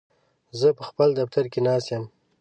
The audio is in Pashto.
زه په خپل دفتر کې ناست یم.